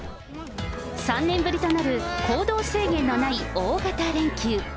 ３年ぶりとなる行動制限のない大型連休。